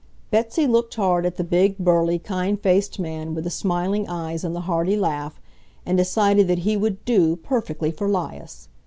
Betsy looked hard at the big, burly, kind faced man with the smiling eyes and the hearty laugh, and decided that he would "do" perfectly for 'Lias.